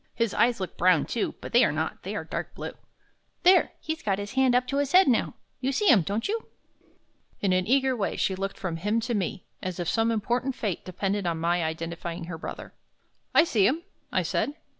His eyes look brown, too; but they are not, they are dark blue. There! he's got his hand up to his head now. You see him, don't you?" In an eager way she looked from him to me, as if some important fate depended on my identifying her brother. "I see him," I said.